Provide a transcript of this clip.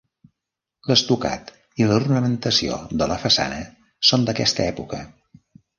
L'estucat i l'ornamentació de la façana són d'aquesta època.